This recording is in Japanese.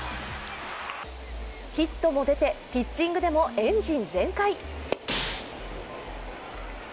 ヒットも出て、ピッチングでもエンジン全開。